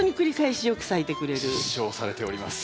実証されております。